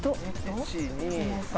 １２３。